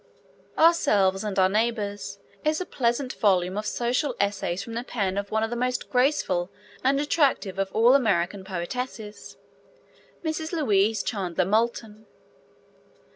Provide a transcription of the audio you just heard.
Ourselves and Our Neighbours is a pleasant volume of social essays from the pen of one of the most graceful and attractive of all American poetesses, Mrs. Louise Chandler Moulton.